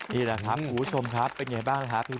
นี่แหละครับคุณผู้ชมครับเป็นอย่างไรบ้างครับพี่